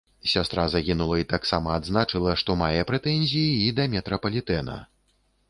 Сястра загінулай таксама адзначыла, што мае прэтэнзіі і да метрапалітэна.